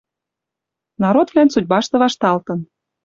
Народвлӓн судьбашты вашталтын.